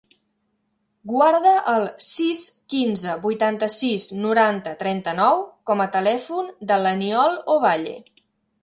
Guarda el sis, quinze, vuitanta-sis, noranta, trenta-nou com a telèfon de l'Aniol Ovalle.